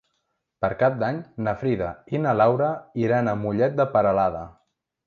Per Cap d'Any na Frida i na Laura iran a Mollet de Peralada.